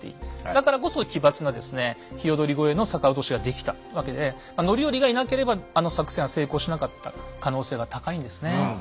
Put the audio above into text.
だからこそ奇抜な鵯越の逆落としができたわけで範頼がいなければあの作戦は成功しなかった可能性が高いんですね。